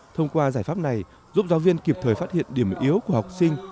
thông qua giải pháp này giúp giáo viên kịp thời phát hiện điểm yếu của học sinh